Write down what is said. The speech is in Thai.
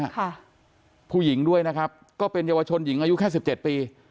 ค่ะผู้หญิงด้วยนะครับก็เป็นเยาวชนหญิงอายุแค่สิบเจ็ดปี